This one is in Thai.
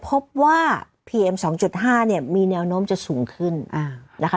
พบว่าพีเอ็มสองจุดห้าเนี้ยมีแนวโน้มจะสูงขึ้นอ่านะคะ